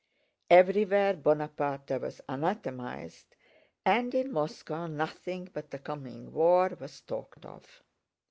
Everywhere Bonaparte was anathematized and in Moscow nothing but the coming war was talked of.